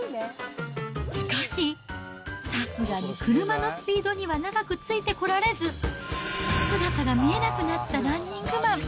しかし、さすがに車のスピードには長くついてこられず、姿が見えなくなったランニングマン。